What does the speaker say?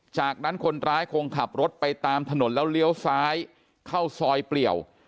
จากนั้นคนร้ายคงขับรถไปตามถนนแล้วเลี้ยวซ้ายเข้าซอยเปลี่ยว